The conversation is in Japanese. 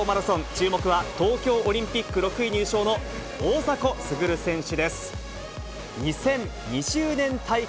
注目は東京オリンピック６位入賞の大迫傑選手です。